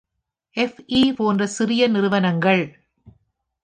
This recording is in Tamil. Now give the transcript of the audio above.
எஃப்.இ. போன்ற சிறிய நிறுவனங்கள்